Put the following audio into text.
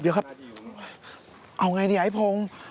เอาอย่างไรดีไอ้พง